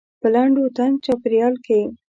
په لنډ و تنګ چاپيریال کې.